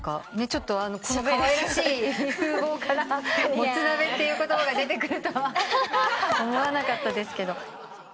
このかわいらしい風貌からもつ鍋っていう言葉が出てくるとは思わなかった。